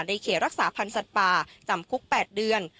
เขตรักษาพันธ์สัตว์ป่าจำคุก๘เดือน